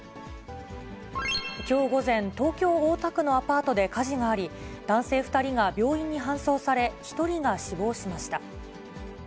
きょう午前、東京・大田区のアパートで火事があり、男性２人が病院に搬送され、１人が死亡しました。